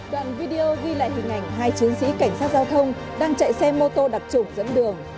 đoàn video ghi lại hình ảnh hai chiến sĩ cảnh sát giao thông đang chạy xe mô tô đặc trủng